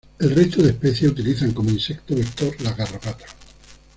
El resto de especies utilizan como insecto vector las garrapatas.